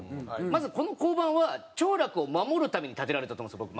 まずこの交番は兆楽を守るために建てられたと思うんですよ